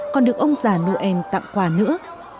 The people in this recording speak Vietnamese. còn được ông già noel tặng quà nữa